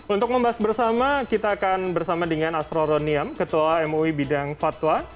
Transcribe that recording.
untuk membahas bersama kita akan bersama dengan asro roniam ketua mui bidang fatwa